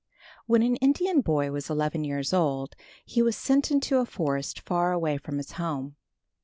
When an Indian boy was eleven years old, he was sent into a forest far away from his home.